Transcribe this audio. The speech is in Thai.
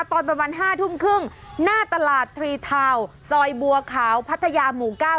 ตอนประมาณ๕ทุ่มครึ่งหน้าตลาดทรีทาวน์ซอยบัวขาวพัทยาหมู่๙